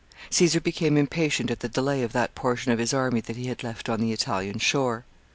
Caesar became impatient at the delay of that portion of his army that he had left on the Italian shore.